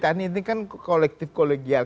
kan ini kan kolektif kolegial